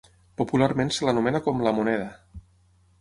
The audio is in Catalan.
Popularment se l'anomena com La Moneda.